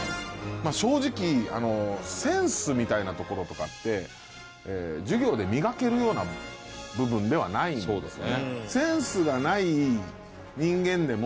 正直センスみたいなところとかって授業で磨けるような部分ではないんですね。